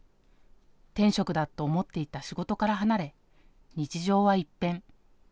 天職だと思っていた仕事から離れ日常は一変。